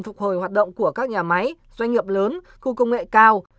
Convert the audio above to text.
phục hồi hoạt động của các nhà máy doanh nghiệp lớn khu công nghệ cao